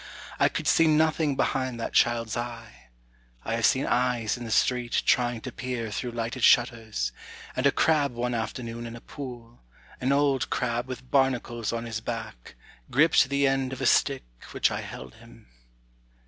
I could see nothing behind that childâs eye. I have seen eyes in the street Trying to peer through lighted shutters, And a crab one afternoon in a pool, An old crab with barnacles on his back, Gripped the end of a stick which I held him.